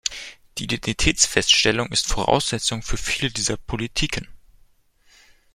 Die Identitätsfeststellung ist Voraussetzung für viele dieser Politiken.